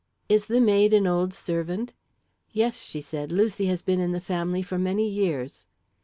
"Is the maid an old servant?" "Yes," she said; "Lucy has been in the family for many years."